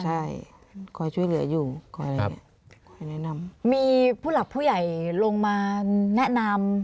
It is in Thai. ใช่คอยช่วยเหลืออยู่คอยแนะนำมีผู้หลักผู้ใหญ่ลงมาแนะนำ